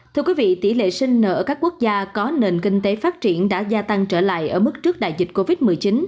thưa quý vị tỷ lệ sinh nở ở các quốc gia có nền kinh tế phát triển đã gia tăng trở lại ở mức trước đại dịch covid một mươi chín